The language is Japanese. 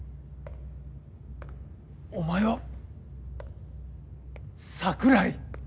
お前は桜井！？